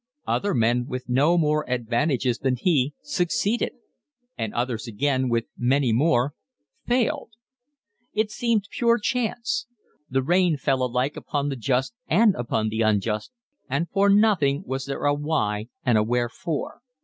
Other men, with no more advantages than he, succeeded, and others again, with many more, failed. It seemed pure chance. The rain fell alike upon the just and upon the unjust, and for nothing was there a why and a wherefore.